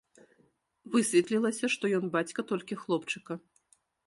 Высветлілася, што ён бацька толькі хлопчыка.